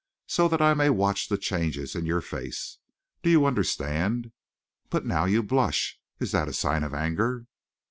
So that I may watch the changes in your face. Do you understand? But now you blush. Is that a sign of anger?"